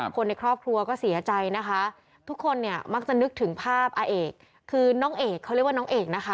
คนในครอบครัวก็เสียใจนะคะทุกคนเนี่ยมักจะนึกถึงภาพอาเอกคือน้องเอกเขาเรียกว่าน้องเอกนะคะ